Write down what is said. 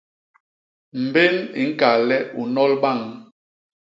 Mbén i ñkal le u nnol bañ.